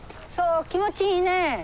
そう気持ちいいね。